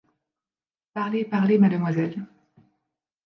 Parlez, parlez, mademoiselle !